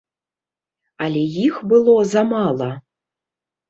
Але іх было замала.